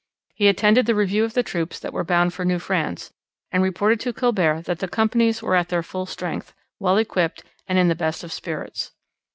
He attended the review of the troops that were bound for New France, and reported to Colbert that the companies were at their full strength, well equipped and in the best of spirits.